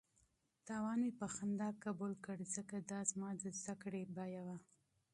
تاوان مې په خندا قبول کړ ځکه دا زما د زده کړې قیمت و.